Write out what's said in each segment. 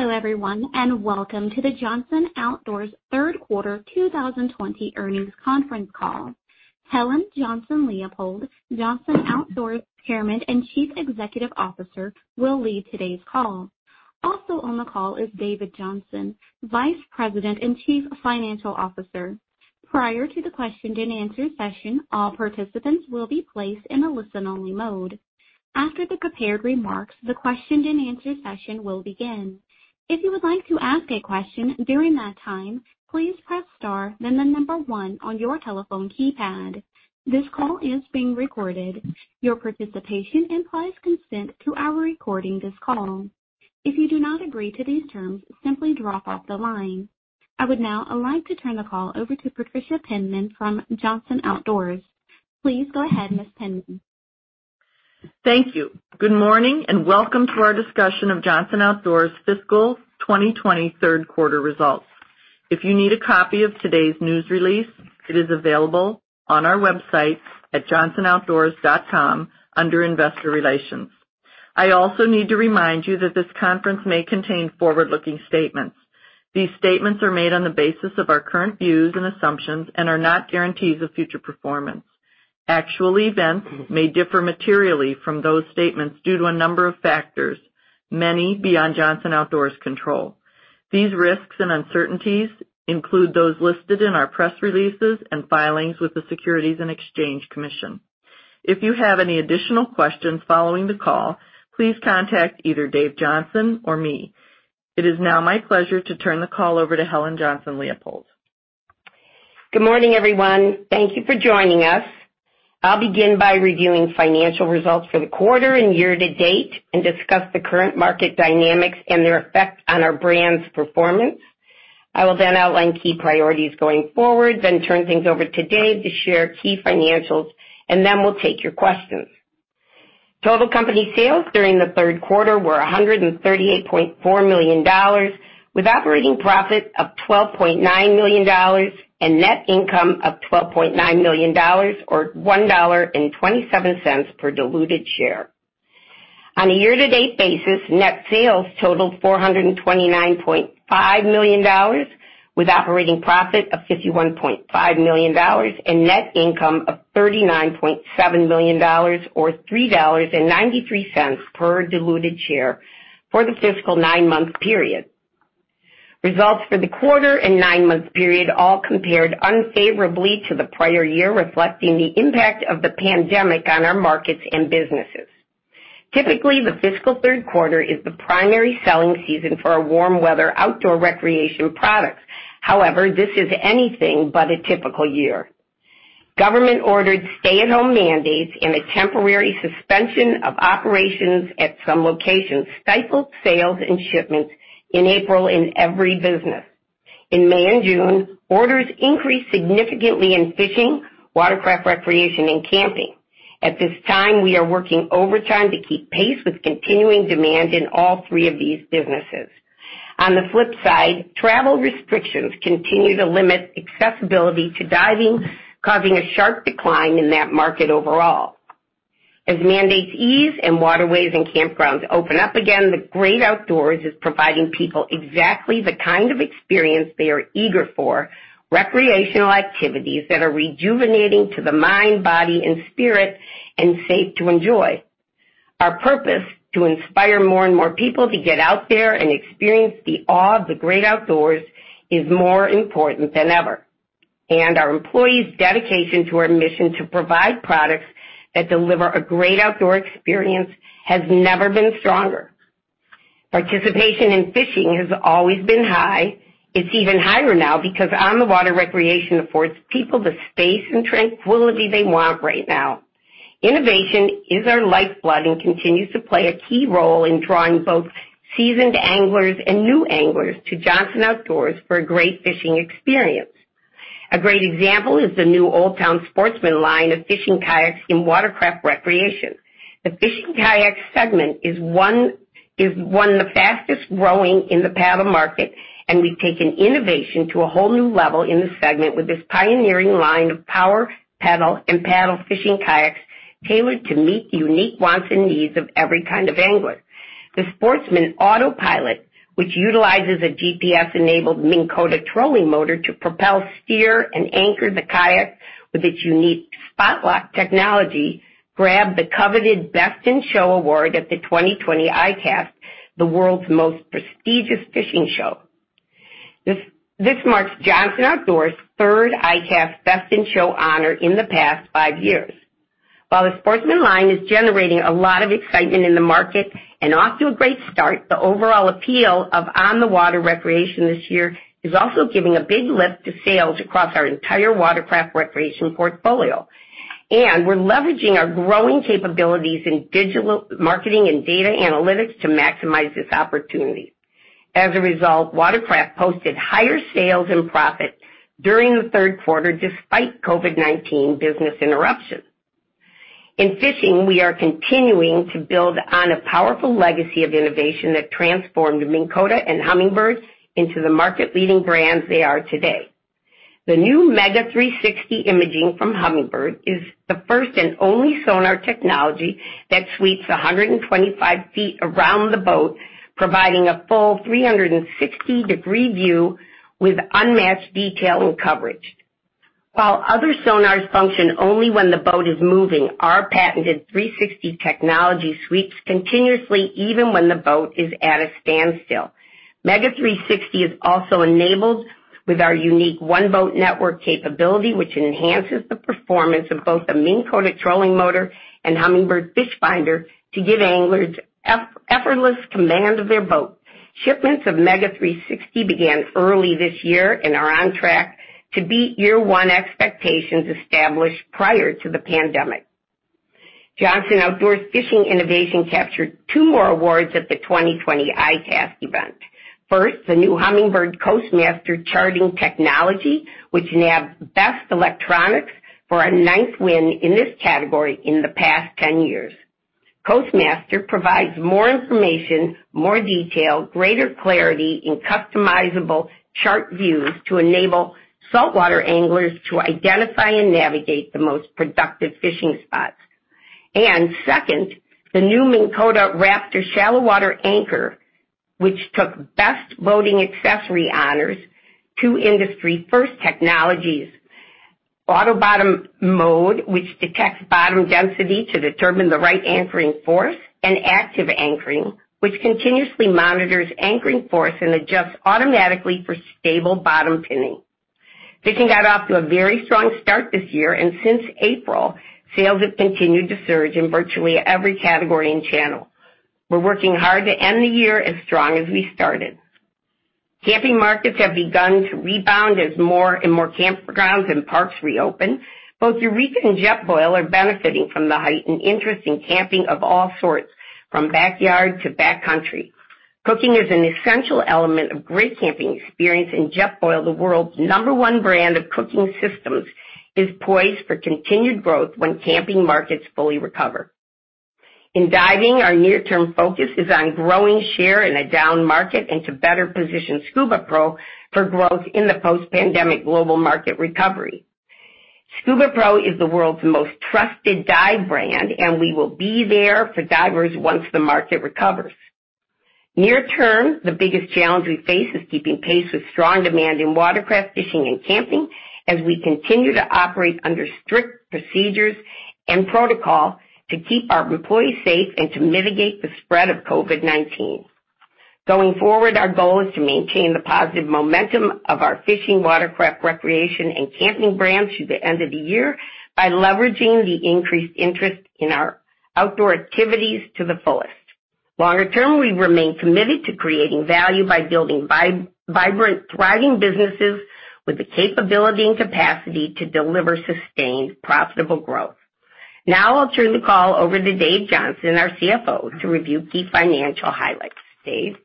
Hello, everyone, and welcome to the Johnson Outdoors Third Quarter 2020 Earnings Conference Call. Helen Johnson-Leipold, Johnson Outdoors Chairman and Chief Executive Officer, will lead today's call. Also on the call is David Johnson, Vice President and Chief Financial Officer. Prior to the question-and-answer session, all participants will be placed in a listen-only mode. After the prepared remarks, the question-and-answer session will begin. If you would like to ask a question during that time, please press star, then the number one on your telephone keypad. This call is being recorded. Your participation implies consent to our recording this call. If you do not agree to these terms, simply drop off the line. I would now like to turn the call over to Patricia Penman from Johnson Outdoors. Please go ahead, Ms. Penman. Thank you. Good morning and welcome to our discussion of Johnson Outdoors' Fiscal 2020 Third Quarter Results. If you need a copy of today's news release, it is available on our website at johnsonoutdoors.com under Investor Relations. I also need to remind you that this conference may contain forward-looking statements. These statements are made on the basis of our current views and assumptions and are not guarantees of future performance. Actual events may differ materially from those statements due to a number of factors, many beyond Johnson Outdoors' control. These risks and uncertainties include those listed in our press releases and filings with the Securities and Exchange Commission. If you have any additional questions following the call, please contact either Dave Johnson or me. It is now my pleasure to turn the call over to Helen Johnson-Leipold. Good morning, everyone. Thank you for joining us. I'll begin by reviewing financial results for the quarter and year to date and discuss the current market dynamics and their effect on our brand's performance. I will then outline key priorities going forward, then turn things over to Dave to share key financials, and then we'll take your questions. Total company sales during the third quarter were $138.4 million, with operating profit of $12.9 million and net income of $12.9 million, or $1.27 per diluted share. On a year-to-date basis, net sales totaled $429.5 million, with operating profit of $51.5 million and net income of $39.7 million, or $3.93 per diluted share for the fiscal nine-month period. Results for the quarter and nine-month period all compared unfavorably to the prior year, reflecting the impact of the pandemic on our markets and businesses. Typically, the fiscal third quarter is the primary selling season for our warm weather outdoor recreation products. However, this is anything but a typical year. Government-ordered stay-at-home mandates and the temporary suspension of operations at some locations stifled sales and shipments in April in every business. In May and June, orders increased significantly in fishing, watercraft recreation, and camping. At this time, we are working overtime to keep pace with continuing demand in all three of these businesses. On the flip side, travel restrictions continue to limit accessibility to diving, causing a sharp decline in that market overall. As mandates ease and waterways and campgrounds open up again, the great outdoors is providing people exactly the kind of experience they are eager for, recreational activities that are rejuvenating to the mind, body, and spirit, and safe to enjoy. Our purpose, to inspire more and more people to get out there and experience the awe of the great outdoors, is more important than ever. Our employees' dedication to our mission to provide products that deliver a great outdoor experience has never been stronger. Participation in fishing has always been high. It's even higher now because on-the-water recreation affords people the space and tranquility they want right now. Innovation is our lifeblood and continues to play a key role in drawing both seasoned anglers and new anglers to Johnson Outdoors for a great fishing experience. A great example is the new Old Town Sportsman line of fishing kayaks and watercraft recreation. The fishing kayak segment is one of the fastest-growing in the paddle market, and we've taken innovation to a whole new level in this segment with this pioneering line of power, pedal, and paddle fishing kayaks tailored to meet the unique wants and needs of every kind of angler. The Sportsman AutoPilot, which utilizes a GPS-enabled Minn Kota trolling motor to propel, steer, and anchor the kayak with its unique Spot-Lock technology, grabbed the coveted Best in Show award at the 2020 ICAST, the world's most prestigious fishing show. This marks Johnson Outdoors' third ICAST Best in Show honor in the past five years. While the Sportsman line is generating a lot of excitement in the market and off to a great start, the overall appeal of on-the-water recreation this year is also giving a big lift to sales across our entire watercraft recreation portfolio. We're leveraging our growing capabilities in digital marketing and data analytics to maximize this opportunity. As a result, watercraft posted higher sales and profit during the third quarter, despite COVID-19 business interruptions. In fishing, we are continuing to build on a powerful legacy of innovation that transformed Minn Kota and Humminbird into the market-leading brands they are today. The new MEGA 360 Imaging from Humminbird is the first and only sonar technology that sweeps 125 feet around the boat, providing a full 360-degree view with unmatched detail and coverage. While other sonars function only when the boat is moving, our patented 360 technology sweeps continuously even when the boat is at a standstill. MEGA 360 is also enabled with our unique One-Boat Network capability, which enhances the performance of both a Minn Kota trolling motor and Humminbird fish finder to give anglers effortless command of their boat. Shipments of MEGA 360 began early this year and are on track to beat year one expectations established prior to the pandemic. Johnson Outdoors fishing innovation captured two more awards at the 2020 ICAST event. First, the new Humminbird CoastMaster charting technology, which nabbed Best Electronics for a ninth win in this category in the past 10 years. CoastMaster provides more information, more detail, greater clarity, and customizable chart views to enable saltwater anglers to identify and navigate the most productive fishing spots. Second, the new Minn Kota Raptor Shallow Water Anchor, which took Best Boating Accessory honors. Two industry-first technologies, Auto-Bottom Mode, which detects bottom density to determine the right anchoring force, and Active Anchoring, which continuously monitors anchoring force and adjusts automatically for stable bottom pinning. Fishing got off to a very strong start this year, and since April, sales have continued to surge in virtually every category and channel. We're working hard to end the year as strong as we started. Camping markets have begun to rebound as more and more campgrounds and parks reopen. Both Eureka! and Jetboil are benefiting from the heightened interest in camping of all sorts, from backyard to backcountry. Cooking is an essential element of great camping experience, and Jetboil, the world's number one brand of cooking systems, is poised for continued growth when camping markets fully recover. In diving, our near-term focus is on growing share in a down market and to better position SCUBAPRO for growth in the post-pandemic global market recovery. SCUBAPRO is the world's most trusted dive brand, and we will be there for divers once the market recovers. Near term, the biggest challenge we face is keeping pace with strong demand in watercraft, fishing, and camping as we continue to operate under strict procedures and protocol to keep our employees safe and to mitigate the spread of COVID-19. Going forward, our goal is to maintain the positive momentum of our fishing, watercraft, recreation, and camping brands through the end of the year by leveraging the increased interest in our outdoor activities to the fullest. Longer term, we remain committed to creating value by building vibrant, thriving businesses with the capability and capacity to deliver sustained, profitable growth. Now I'll turn the call over to Dave Johnson, our CFO, to review key financial highlights. Dave?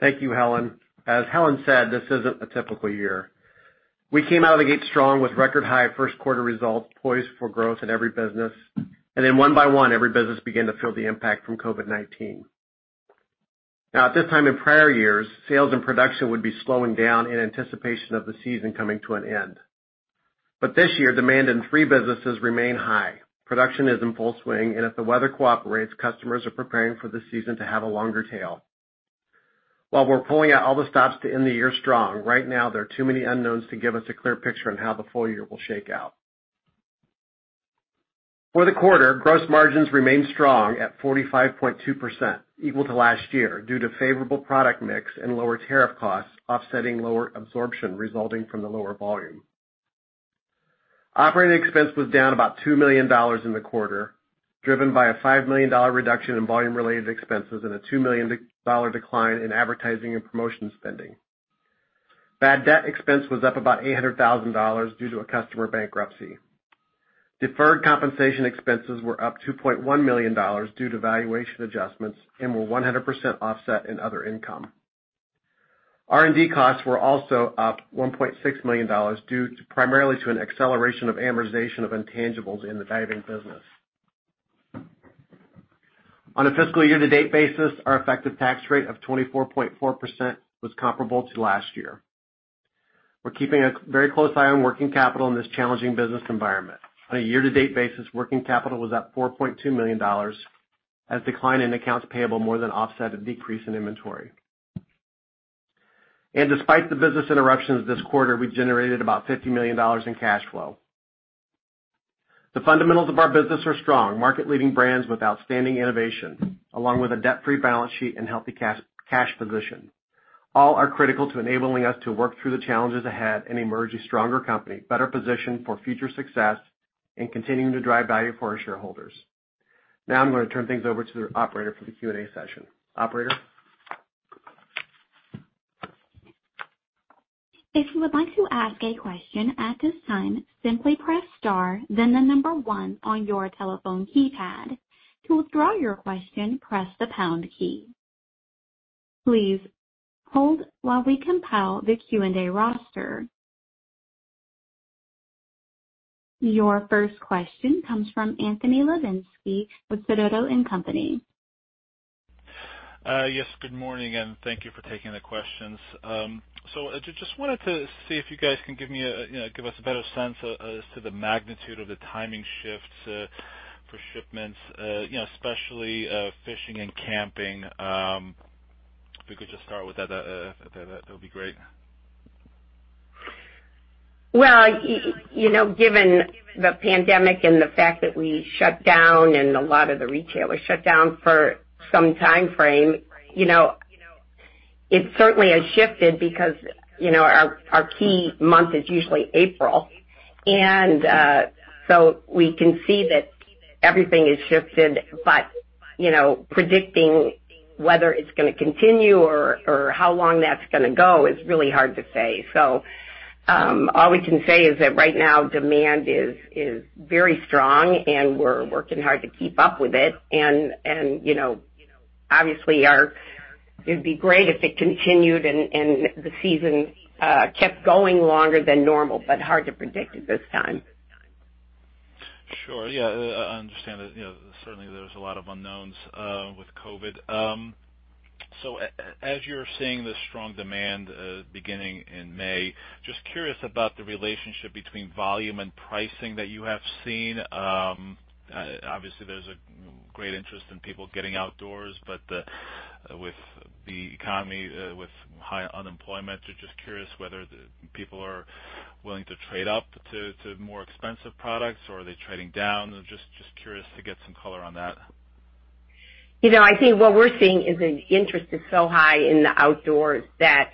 Thank you, Helen. As Helen said, this isn't a typical year. We came out of the gate strong with record-high first quarter results, poised for growth in every business, and then one by one, every business began to feel the impact from COVID-19. At this time in prior years, sales and production would be slowing down in anticipation of the season coming to an end. This year, demand in three businesses remain high. Production is in full swing, and if the weather cooperates, customers are preparing for the season to have a longer tail. While we're pulling out all the stops to end the year strong, right now there are too many unknowns to give us a clear picture on how the full-year will shake out. For the quarter, gross margins remained strong at 45.2%, equal to last year due to favorable product mix and lower tariff costs offsetting lower absorption resulting from the lower volume. Operating expense was down about $2 million in the quarter, driven by a $5 million reduction in volume-related expenses and a $2 million decline in advertising and promotion spending. Bad debt expense was up about $800,000 due to a customer bankruptcy. Deferred compensation expenses were up $2.1 million due to valuation adjustments and were 100% offset in other income. R&D costs were also up $1.6 million due primarily to an acceleration of amortization of intangibles in the diving business. On a fiscal year to date basis, our effective tax rate of 24.4% was comparable to last year. We're keeping a very close eye on working capital in this challenging business environment. On a year-to-date basis, working capital was up $4.2 million as decline in accounts payable more than offset a decrease in inventory. Despite the business interruptions this quarter, we generated about $50 million in cash flow. The fundamentals of our business are strong. Market-leading brands with outstanding innovation, along with a debt-free balance sheet and healthy cash position. All are critical to enabling us to work through the challenges ahead and emerge a stronger company, better positioned for future success and continuing to drive value for our shareholders. Now I'm going to turn things over to the operator for the Q&A session. Operator? If you would like to ask a question at this time, simply press star, then the number one on your telephone keypad. To withdraw your question, press the star key. Please hold while we compile the Q&A roster. Your first question comes from Anthony Lebiedzinski with Sidoti & Company. Yes, good morning. Thank you for taking the questions. I just wanted to see if you guys can give us a better sense as to the magnitude of the timing shifts for shipments, especially fishing and camping. If we could just start with that would be great. Well, given the pandemic and the fact that we shut down and a lot of the retailers shut down for some timeframe, it certainly has shifted because our key month is usually April. We can see that everything has shifted. Predicting whether it's going to continue or how long that's going to go is really hard to say. All we can say is that right now demand is very strong, and we're working hard to keep up with it. Obviously, it'd be great if it continued, and the season kept going longer than normal, but hard to predict at this time. Sure. Yeah. I understand that certainly there's a lot of unknowns with COVID-19. As you're seeing the strong demand beginning in May, just curious about the relationship between volume and pricing that you have seen. Obviously, there's a great interest in people getting outdoors, but with the economy, with high unemployment, just curious whether people are willing to trade up to more expensive products, or are they trading down? Just curious to get some color on that. I think what we're seeing is an interest is so high in the outdoors that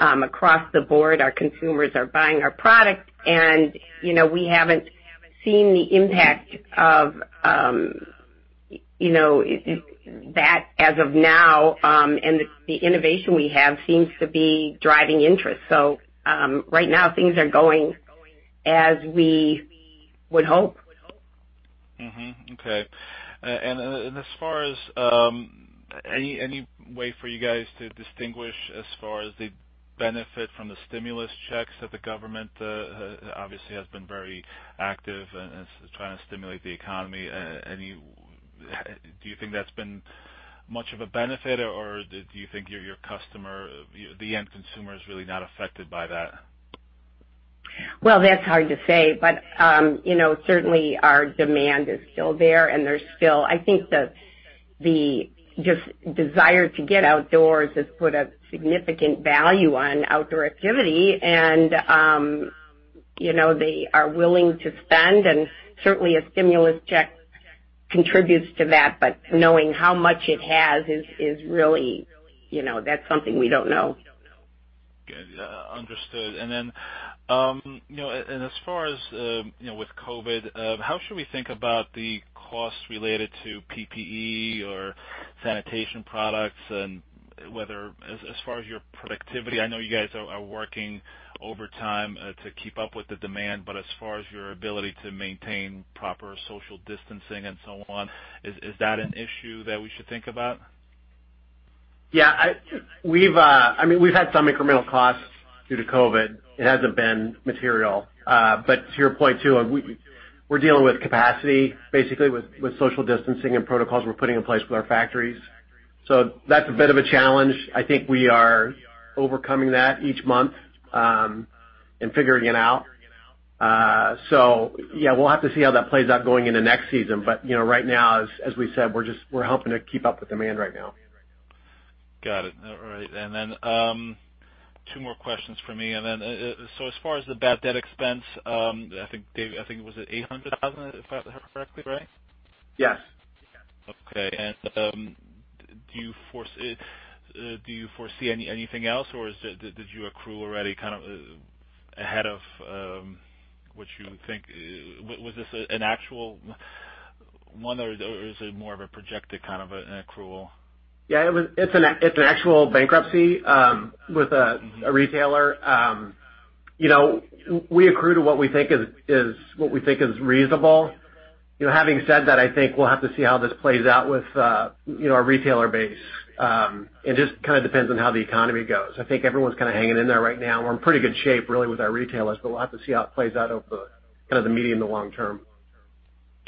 across the board, our consumers are buying our product, and we haven't seen the impact of that as of now. The innovation we have seems to be driving interest. Right now, things are going as we would hope. Okay. As far as any way for you guys to distinguish as far as the benefit from the stimulus checks that the government obviously has been very active in trying to stimulate the economy. Do you think that's been much of a benefit, or do you think your customer, the end consumer, is really not affected by that? Well, that's hard to say, but certainly our demand is still there. I think the desire to get outdoors has put a significant value on outdoor activity, and they are willing to spend, and certainly a stimulus check contributes to that. Knowing how much it has is really, that's something we don't know. Understood. Then, as far as with COVID, how should we think about the costs related to PPE or sanitation products and whether, as far as your productivity, I know you guys are working overtime to keep up with the demand, but as far as your ability to maintain proper social distancing and so on, is that an issue that we should think about? Yeah. We've had some incremental costs due to COVID-19. It hasn't been material. To your point too, we're dealing with capacity, basically with social distancing and protocols we're putting in place with our factories. That's a bit of a challenge. I think we are overcoming that each month, and figuring it out. Yeah, we'll have to see how that plays out going into next season. Right now, as we said, we're helping to keep up with demand right now. Got it. All right. Two more questions from me. As far as the bad debt expense, I think, Dave, I think it was at $800,000, if I have that correctly, right? Yes. Okay. Do you foresee anything else, or did you accrue already ahead of what you think? Was this an actual one, or is it more of a projected kind of an accrual? Yeah, it's an actual bankruptcy with a retailer. We accrue to what we think is reasonable. Having said that, I think we'll have to see how this plays out with our retailer base. It just kind of depends on how the economy goes. I think everyone's kind of hanging in there right now. We're in pretty good shape, really, with our retailers, but we'll have to see how it plays out over kind of the medium to long term.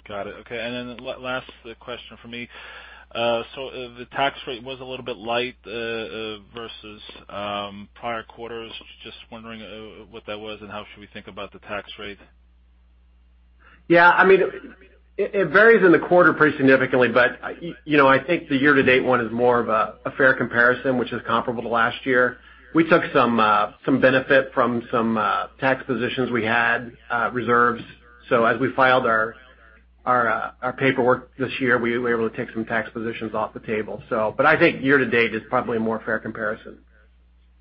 Got it. Okay. Last question from me. The tax rate was a little bit light versus prior quarters. Just wondering what that was, and how should we think about the tax rate? Yeah, it varies in the quarter pretty significantly, I think the year-to-date one is more of a fair comparison, which is comparable to last year. We took some benefit from some tax positions we had reserves. As we filed our paperwork this year, we were able to take some tax positions off the table. I think year-to-date is probably a more fair comparison.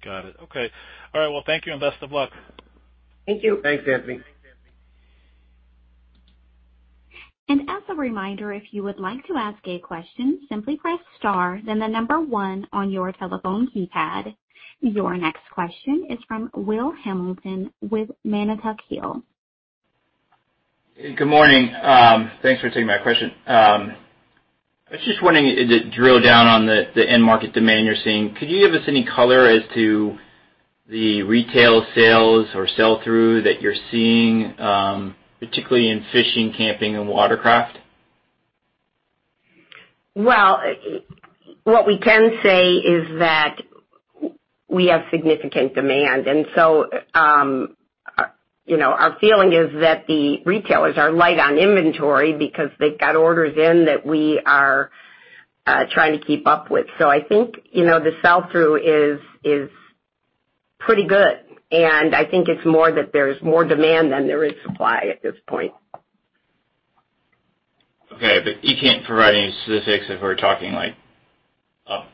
Got it. Okay. All right. Well, thank you, and best of luck. Thank you. Thanks, Anthony. As a reminder, if you would like to ask a question, simply press star, then the number one on your telephone keypad. Your next question is from Will Hamilton with Manatuck Hill. Good morning. Thanks for taking my question. I was just wondering, to drill down on the end market demand you're seeing, could you give us any color as to the retail sales or sell-through that you're seeing, particularly in fishing, camping, and watercraft? Well, what we can say is that we have significant demand. Our feeling is that the retailers are light on inventory because they've got orders in that we are trying to keep up with. I think, the sell-through is pretty good, and I think it's more that there's more demand than there is supply at this point. Okay. You can't provide any specifics if we're talking like up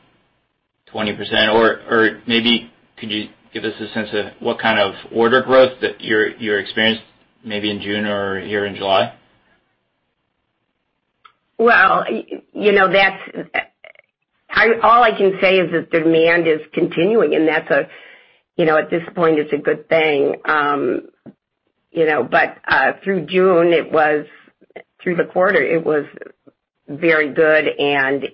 20% or maybe could you give us a sense of what kind of order growth that you experienced maybe in June or here in July? Well, all I can say is that demand is continuing, and at this point, it's a good thing. Through June, it was through the quarter, it was very good, and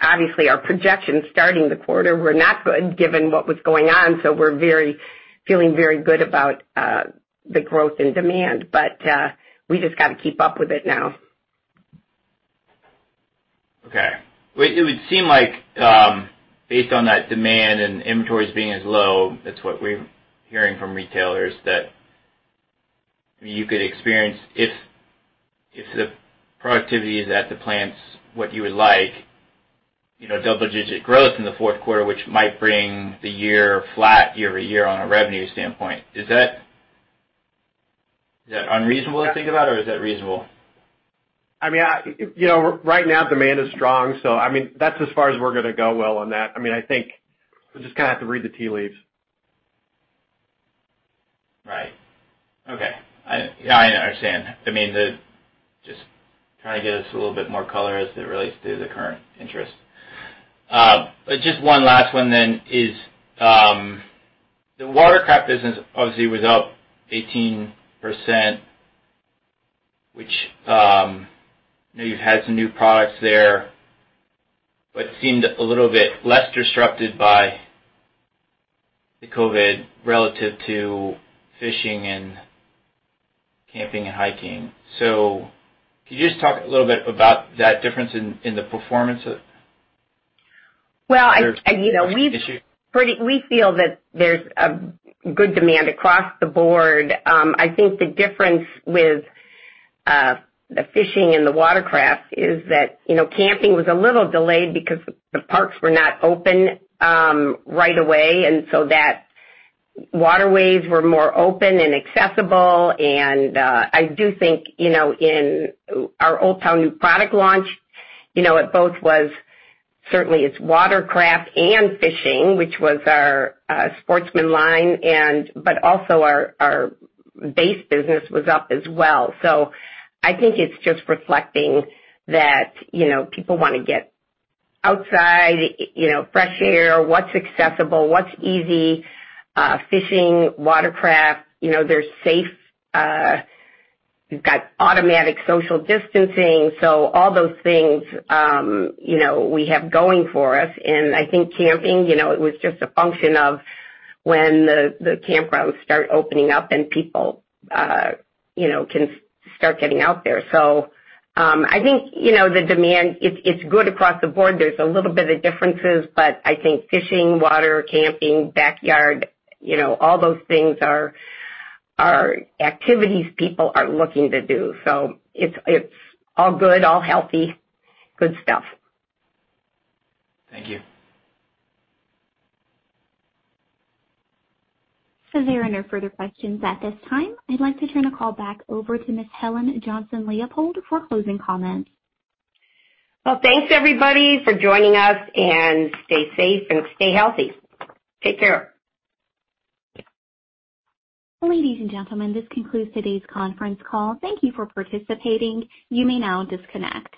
obviously our projections starting the quarter were not good given what was going on, so we're feeling very good about the growth in demand. We just got to keep up with it now. Okay. It would seem like, based on that demand and inventories being as low, that's what we're hearing from retailers, that you could experience, if the productivity is at the plants what you would like, double-digit growth in the fourth quarter, which might bring the year flat year-over-year on a revenue standpoint. Is that unreasonable to think about, or is that reasonable? Right now demand is strong, that's as far as we're going to go, Will, on that. I think we're just going to have to read the tea leaves. Right. Okay. Yeah, I understand. Just trying to get us a little bit more color as it relates to the current interest. Just one last one then. The watercraft business obviously was up 18%, which, you've had some new products there, but seemed a little bit less disrupted by the COVID relative to fishing and camping and hiking. Could you just talk a little bit about that difference in the performance of? We feel that there's a good demand across the board. I think the difference with the fishing and the watercraft is that camping was a little delayed because the parks were not open right away, and waterways were more open and accessible. I do think, in our Old Town new product launch, it both was certainly its watercraft and fishing, which was our Sportsman line, but also our base business was up as well. I think it's just reflecting that people want to get outside, fresh air, what's accessible, what's easy. Fishing, watercraft, they're safe. You've got automatic social distancing. All those things we have going for us. I think camping, it was just a function of when the campgrounds start opening up and people can start getting out there. I think the demand, it's good across the board. There's a little bit of differences. I think fishing, water, camping, backyard, all those things are activities people are looking to do. It's all good, all healthy. Good stuff. Thank you. There are no further questions at this time. I'd like to turn the call back over to Ms. Helen Johnson-Leipold for closing comments. Well, thanks everybody for joining us, and stay safe and stay healthy. Take care. Ladies and gentlemen, this concludes today's conference call. Thank you for participating. You may now disconnect.